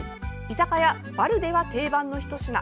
居酒屋、バルでは定番のひと品。